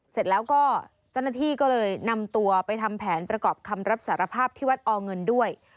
เสร็จแล้วก็เจ้าหน้าที่ก็เลยนำตัวไปทำแผนประกอบคำรับสารภาพที่วัดอเงินด้วย